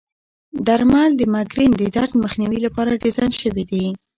درمل د مېګرین درد مخنیوي لپاره ډیزاین شوي دي.